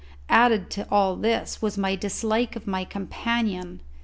Added to all this was my dislike of my companion.